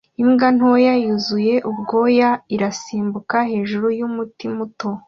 Imbwa ntoya yuzuye ubwoya irasimbuka hejuru yumuti muto